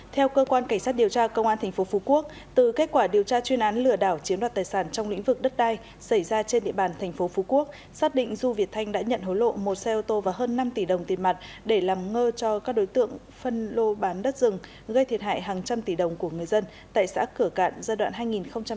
theo cơ quan cảnh sát điều tra công an tp phú quốc từ kết quả điều tra chuyên án lửa đảo chiếm đoạt tài sản trong lĩnh vực đất đai xảy ra trên địa bàn thành phố phú quốc xác định du việt thanh đã nhận hối lộ một xe ô tô và hơn năm tỷ đồng tiền mặt để làm ngơ cho các đối tượng phân lô bán đất rừng gây thiệt hại hàng trăm tỷ đồng của người dân tại xã cửa cạn giai đoạn hai nghìn một mươi một hai nghìn hai mươi